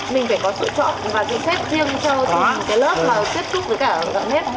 mình phải có sự chọn mà dự xét riêng cho cái lớp mà xếp chút với cả gạo nếp không